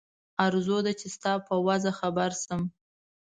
آرزو ده چې ستا په وضع خبر شم.